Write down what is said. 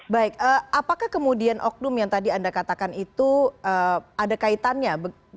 baik apakah kemudian oknum yang tadi anda katakan itu ada kaitannya